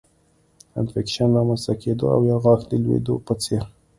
انفکشن رامنځته کېدو او یا غاښ د لوېدو په څېر